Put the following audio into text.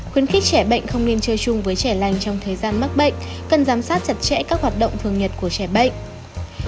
khuyến khích trẻ bệnh không nên chơi chung với trẻ lành trong thời gian mắc bệnh cần giám sát chặt chẽ các hoạt động thường nhật của trẻ bệnh